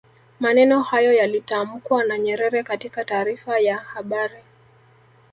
maneno hayo yalitamkwa na nyerere katika taarifa ya habari